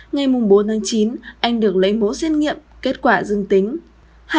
ngay mùng bốn tháng chín anh được lấy mẫu xét nghiệm kết quả dương tính